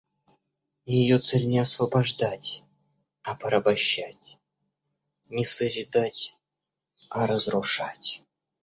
Ее цель не освобождать, а порабощать, не созидать, а разрушать.